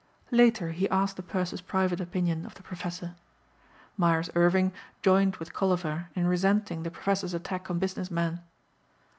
Later he asked the purser's private opinion of the professor. Myers Irving joined with Colliver in resenting the professor's attack on business men.